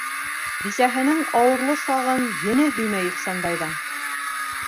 Бисәһенең ауырлы сағын ене һөймәй Ихсанбайҙың.